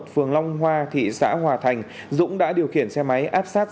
phường long hoa thị xã hòa thành dũng đã điều khiển xe máy áp sát